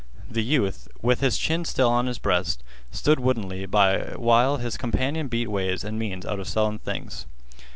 The youth, with his chin still on his breast, stood woodenly by while his companion beat ways and means out of sullen things.